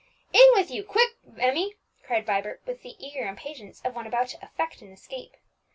"In with you, quick, Emmie!" cried Vibert, with the eager impatience of one about to effect an escape.